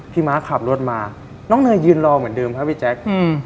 ม้าขับรถมาน้องเนยยืนรอเหมือนเดิมครับพี่แจ๊ค